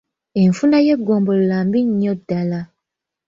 Enfuna y'eggombolola mbi nnyo nnyo ddala.